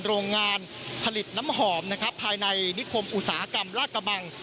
โรงงานผลิตน้ำหอมนะครับภายในนิคมอุตสาหกรรมลาดกระบัง